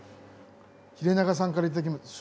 ヒレナガさんからいただきます。